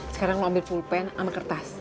sekarang mau ambil pulpen sama kertas